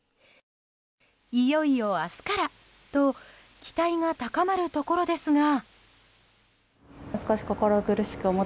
いよいよ明日からと期待が高まるところですが。